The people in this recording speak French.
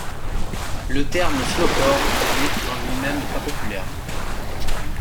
Le terme slowcore n'est en lui-même pas populaire.